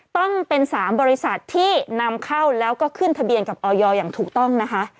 ต้องเป็น๓บริษัทที่นำเข้าแล้วก็ขึ้นทะเบียนกับออยอย่างถูกต้องนะคะ